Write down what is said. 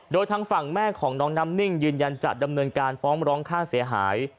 โดยทางฝั่งแม่ของน้องน้ำนิ่งยืนยันจะดำเนินการฟ้องร้องค่าเสียหาย